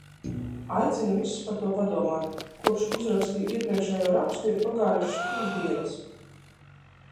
Aicinu visus par to padomāt. Kopš uzrakstīju iepriekšējo rakstu ir pagājušas trīs dienas.